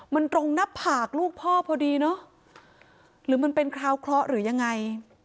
มันตรงหน้าผากลูกพ่อพอดีเนอะหรือมันเป็นคราวเคราะห์หรือยังไง